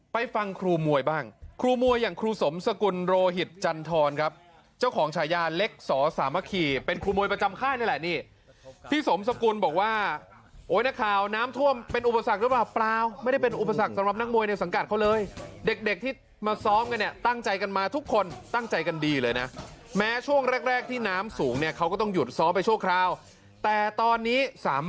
ไปฟังครูมวยบ้างครูมวยอย่างครูสมสกุลโรหิตจันทรครับเจ้าของชายาเล็กสอสามะขี่เป็นครูมวยประจำค่ายนี่แหละพี่สมสกุลบอกว่าโอ้ยนักข่าวน้ำท่วมเป็นอุปสรรคหรือเปล่าเปล่าไม่ได้เป็นอุปสรรคสำหรับนักมวยในสังการเขาเลยเด็กที่มาซ้อมกันเนี่ยตั้งใจกันมาทุกคนตั้งใจกันดีเลยนะแม้ช่วงแรกที่